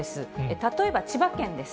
例えば、千葉県です。